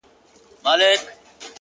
د دغه ښار ښکلي غزلي خیالوري غواړي ـ